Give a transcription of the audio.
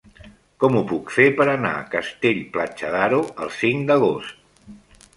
Com ho puc fer per anar a Castell-Platja d'Aro el cinc d'agost?